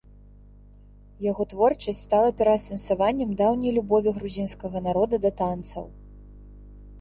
Яго творчасць стала пераасэнсаваннем даўняй любові грузінскага народа да танцаў.